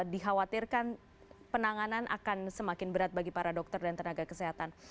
dikhawatirkan penanganan akan semakin berat bagi para dokter dan tenaga kesehatan